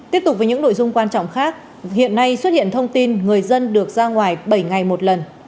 tiếp tục với những nội dung quan trọng khác hiện nay xuất hiện thông tin người dân được ra ngoài bảy ngày một lần